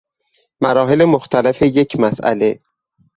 مراحل مختلف یک مسئله